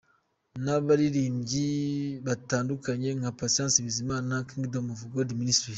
n'abaririmbyi batandukanye nka Patient Bizimana , Kingdom of God Ministries,